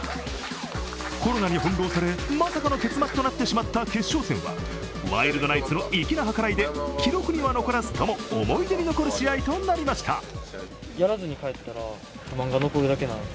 コロナに翻弄され、まさかの結末となってしまった決勝戦はワイルドナイツの粋な計らいで記録には残らずとも思い出に残る試合となりました。